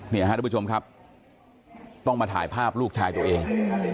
ท่านผู้ชมครับต้องมาถ่ายภาพลูกชายตัวเอง